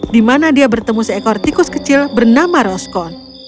di mana dia bertemu seekor tikus kecil bernama roskon